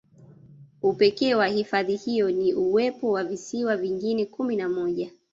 Upekee wa hifadhi hiyo ni uwepo wa visiwa vingine kumi na moja